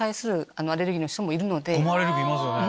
ゴムアレルギーいますよね。